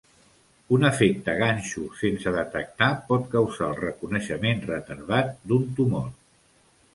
Un efecte ganxo sense detectar pot causar el reconeixement retardat d'un tumor.